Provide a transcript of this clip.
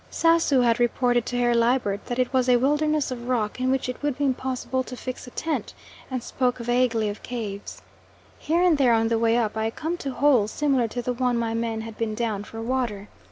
Sasu had reported to Herr Liebert that it was a wilderness of rock, in which it would be impossible to fix a tent, and spoke vaguely of caves. Here and there on the way up I come to holes, similar to the one my men had been down for water.